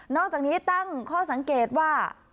อกจากนี้ตั้งข้อสังเกตว่า